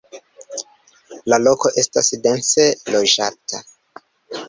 La loko estas dense loĝata.